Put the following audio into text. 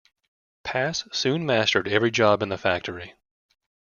Pass soon mastered every job in the factory.